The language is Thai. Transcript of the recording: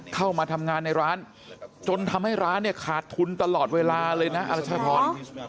เข้ามาทำงานในร้านจนทำให้ร้านเนี่ยขาดทุนตลอดเวลาเลยนะอรัชพร